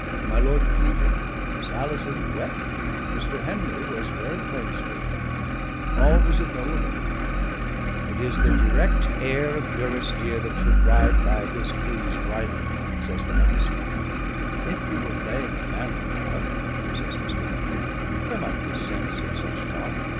My lord pleaded, Miss Alison wept, Mr. Henry was very plain spoken: all was of no avail. "It is the direct heir of Durrisdeer that should ride by his King's bridle," says the Master. "If we were playing a manly part," says Mr. Henry, "there might be sense in such talk.